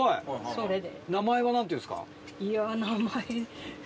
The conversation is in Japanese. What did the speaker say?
それで。